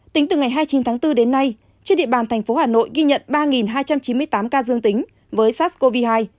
tính từ ngày hai mươi chín tháng bốn đến nay trên địa bàn thành phố hà nội ghi nhận ba hai trăm chín mươi tám ca dương tính với sars cov hai